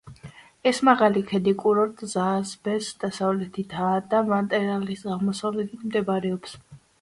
ეს მაღალი ქედი კურორტ ზაას-ფეეს დასავლეთითა და მატერტალის აღმოსავლეთით მდებარეობს.